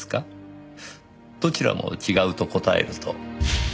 どちらも違うと答えると。